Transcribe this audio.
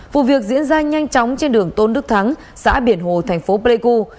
vụ việc diễn ra nhanh chóng trên đường tôn đức thắng xã biển hồ thành phố pleiku